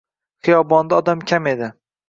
Xiyobonda odam kam edi.